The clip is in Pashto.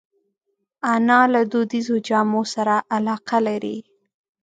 انا له دودیزو جامو سره علاقه لري